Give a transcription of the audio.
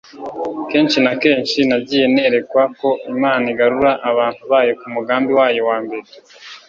kenshi na kenshi nagiye nerekwa ko imana igarura abantu bayo ku mugambi wayo wa mbere